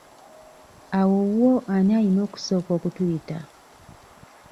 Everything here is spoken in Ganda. Awo wo ani alina okusooka okutuyita?